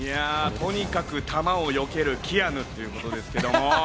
とにかく弾をよけるキアヌっていうことですけれども。